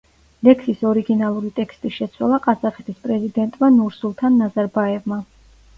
ლექსის ორიგინალური ტექსტი შეცვალა ყაზახეთის პრეზიდენტმა ნურსულთან ნაზარბაევმა.